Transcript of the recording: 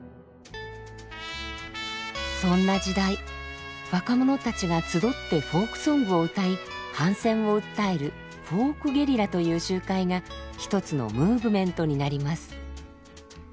そんな時代若者たちが集ってフォークソングを歌い反戦を訴えるフォークゲリラという集会が一つのムーブメントになります。